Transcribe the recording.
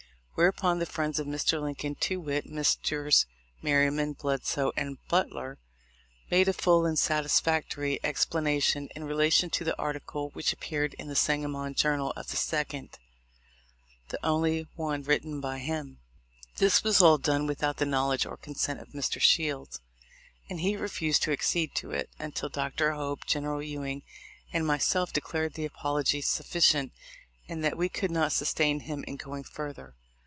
Whereupon the friends of Mr. Lincoln, to wit, Messrs. Merryman, Bledsoe, and Butler, made a full and satisfactory explanation in relation to the article which appeared in the Sangamon Journal of the 2d, the only one written by him. This was all done without the knowledge or consent of Mr. Shields, and he refused to ac cede to it, until Dr. Hope, General Ewing, and myself declared the apology sufficient, and that we could not sustain him in going further.